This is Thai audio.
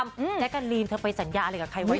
และกับการ์นลีนไปสัญญาอะไรกับใครไว้